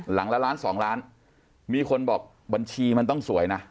หลังละล้านสองล้านมีคนบอกบัญชีมันต้องสวยนะ